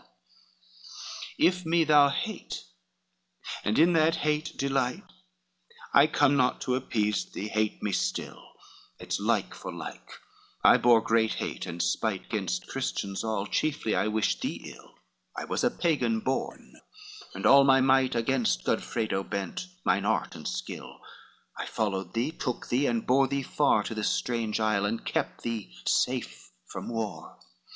XLIV "If me thou hate, and in that hate delight, I come not to appease thee, hate me still, It's like for like; I bore great hate and spite Gainst Christians all, chiefly I wish thee ill: I was a Pagan born, and all my might Against Godfredo bent, mine art and skill: I followed thee, took thee, and bore thee far, To this strange isle, and kept thee safe from war.